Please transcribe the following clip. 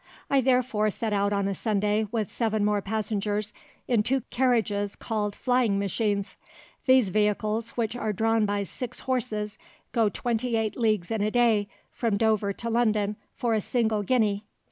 I therefore set out on a Sunday with seven more passengers in two carriages called flying machines. These vehicles, which are drawn by six horses, go twenty eight leagues in a day from Dover to London for a single guinea.